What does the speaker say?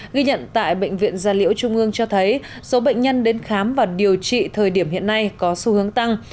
ghi nhận tại bệnh viện gia liễu trung ương cho thấy số bệnh nhân đến khám và điều trị thời điểm hiện nay có xu hướng tăng